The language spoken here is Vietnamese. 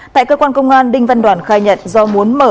tại cơ quan công an đinh văn đoàn khai nhận do muốn mở